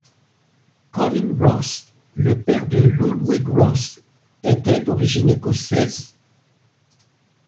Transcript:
Colin Ross, le père de Ludwig Ross était d'origine écossaise.